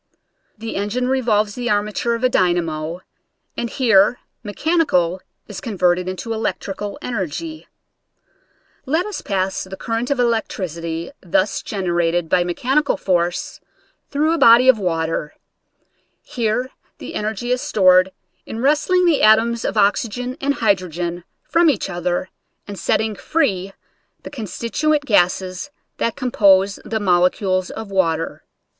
The. engine revolves the armature of a dynamo and here mechanical is converted into electrical energy. Let us pass the cur rent of electricity, thus generated by mechani cal force, through a body of water; here the energy is stored in wresting the atoms of Original from UNIVERSITY OF WISCONSIN 46 flature'0 flSiracles. oxygen and hydrogen from each other and setting free the constituent gases that com pose the molecules of water.